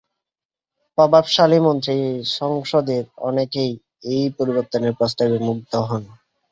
প্রভাবশালী মন্ত্রী সাংসদের অনেকে এই পরিবর্তনের প্রস্তাবে ক্ষুব্ধ হন।